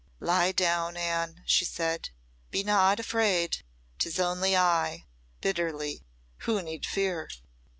"Lie down, Anne," she said. "Be not afraid 'tis only I," bitterly "who need fear?"